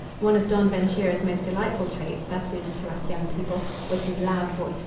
One of Don Ventura's most delightful traits that is, to us young people was his loud voice.